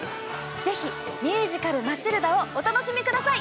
ぜひミュージカル『マチルダ』をお楽しみください！